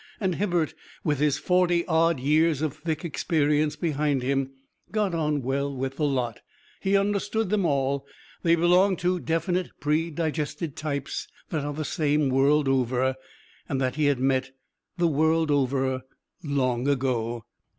And Hibbert, with his forty odd years of thick experience behind him, got on well with the lot; he understood them all; they belonged to definite, predigested types that are the same the world over, and that he had met the world over long ago.